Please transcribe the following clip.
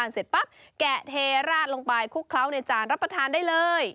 เสร็จปั๊บแกะเทราดลงไปคลุกเคล้าในจานรับประทานได้เลย